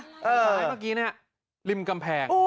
ทางข้างมาเมื่อกี้เนี่ยริมกำแพง